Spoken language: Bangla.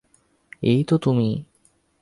এই তো তুমি।